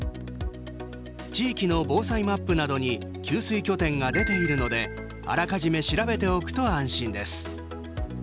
地域の防災マップなどに給水拠点が出ているのであらかじめ調べておくと安心です。